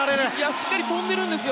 しっかり跳んでるんですよ